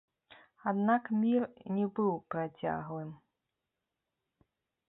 Аднак мір не быў працяглым.